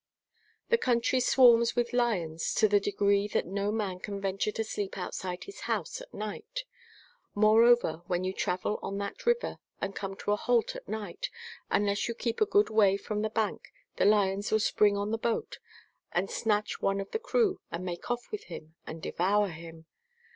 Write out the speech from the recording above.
The country swarms with lions to that degree that no man can venture to sleep outside his house at night.* Moreover when you travel on that river, and come to a halt at night, unless you keep a good way from the bank the lions will spring on the boat and snatch one of the crew and make off with him and devour him.